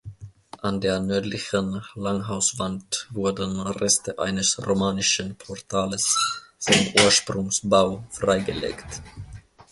An der nördlichen Langhauswand wurden Reste eines romanischen Portales vom Ursprungsbau freigelegt.